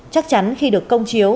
chắc chắn khi được công chiếu